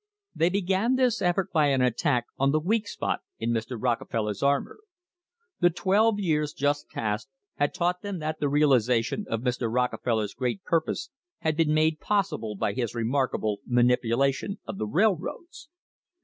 They began this effort by an attack on the weak spot in Mr. Rockefeller's armour. The twelve years just passed had taught them that the realisation of Mr. Rockefeller's great purpose had been made possible by his remarkable manipulation of the rail roads.